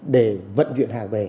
để vận chuyển hàng về